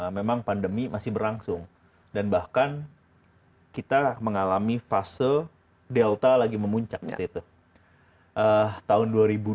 memang pandemi masih berlangsung dan bahkan kita mengalami fase delta lagi memuncak seperti itu tahun dua ribu dua puluh